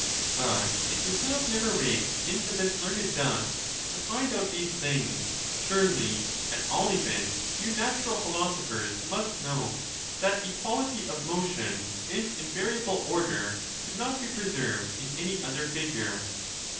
But if you have never raked into this learned dust" to find out these things, surely, at all events, you Inatural philosophers must know that equality of motion \and invariable order could not be preserved in any other figure.